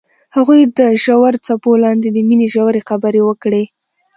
هغوی د ژور څپو لاندې د مینې ژورې خبرې وکړې.